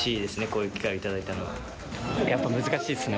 こういう機会を頂いたのは。